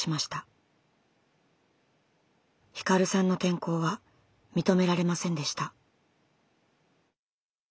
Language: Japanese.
ひかるさんの転校は認められませんでした。